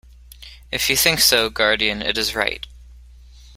If you think so, guardian, it is right.